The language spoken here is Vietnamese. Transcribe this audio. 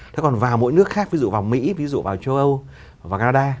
thế còn vào mỗi nước khác ví dụ vào mỹ ví dụ vào châu âu và canada